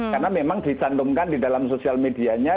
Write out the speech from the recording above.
karena memang dicantumkan di dalam sosial medianya